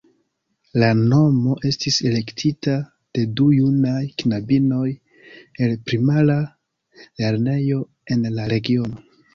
La nomo estis elektita de du junaj knabinoj el primara lernejo en la regiono.